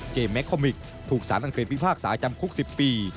เจมส์แม็กคอมมิกถูกสารอังกฤษวิภาคศาจำคุก๑๐ปี